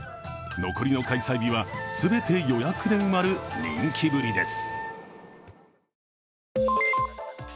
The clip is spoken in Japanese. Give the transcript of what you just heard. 残りの開催日は全て予約で埋まる人気ぶりです。